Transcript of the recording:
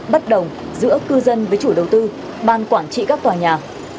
bất đồng giữa cư dân với chủ đầu tư ban quản trị các tòa nhà